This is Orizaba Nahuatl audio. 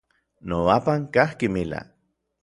Nobapan kajki mila.